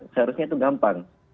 seharusnya itu gampang